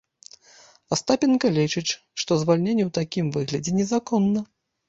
Астапенка лічыць, што звальненне ў такім выглядзе незаконна.